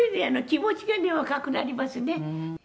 気持ちがね若くなりますね」